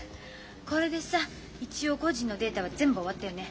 これでさ一応個人のデータは全部終わったよね。